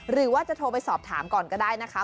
หรือว่าจะโทรไปสอบถามก่อนก็ได้นะคะ